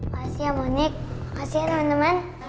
makasih ya monik makasih ya teman teman